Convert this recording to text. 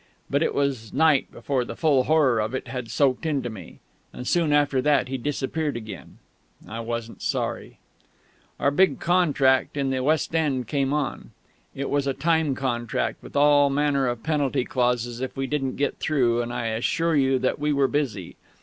But it was night before the full horror of it had soaked into me. Soon after that he disappeared again. I wasn't sorry. Our big contract in the West End came on. It was a time contract, with all manner of penalty clauses if we didn't get through; and I assure you that we were busy.